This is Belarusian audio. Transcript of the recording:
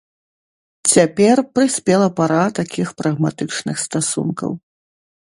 Цяпер прыспела пара такіх прагматычных стасункаў.